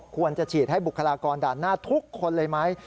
ควรจะฉีดให้บุคลากรด่านหน้าทุกคนเลยไหม